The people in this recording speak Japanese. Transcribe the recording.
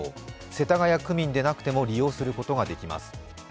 世田谷区民でなくても利用することができます。